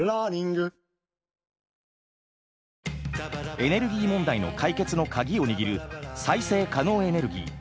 エネルギー問題の解決の鍵を握る再生可能エネルギー。